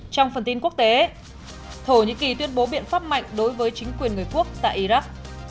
trong phần tin quốc tế thổ nhĩ kỳ tuyên bố biện pháp mạnh đối với chính quyền người quốc tại iraq